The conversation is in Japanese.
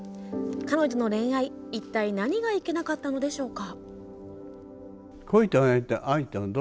彼女の恋愛、いったい何がいけなかったのでしょうか？